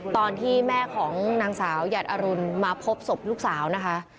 ตอนที่แม่ของนางสาวหยัดอรุณมาพบศพลูกสาวนะคะ